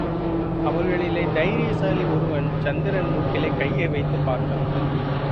அவர்களிலே தைரியசாலி ஒருவன், சந்திரன் மூக்கிலே கையை வைத்துப் பார்த்தான்.